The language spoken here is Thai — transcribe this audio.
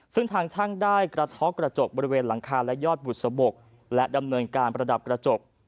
ซึ่งทางช่างได้กระท้อกระจกบริเวณหลังคาและยอดบุษบกและดำเนินการประดับกระจก